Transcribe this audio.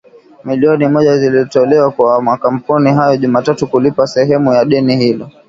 milioni moja zilitolewa kwa makampuni hayo Jumatatu kulipa sehemu ya deni hilo.